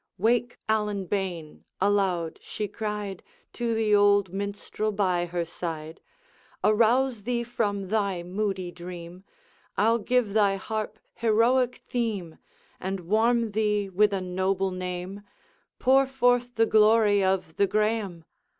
'Wake, Allan bane,' aloud she cried To the old minstrel by her side, 'Arouse thee from thy moody dream! I 'll give thy harp heroic theme, And warm thee with a noble name; Pour forth the glory of the Graeme!'